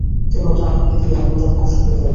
তুমি ওটা আমাকে দিলে আমি ওটা ধ্বংস করে ফেলবো।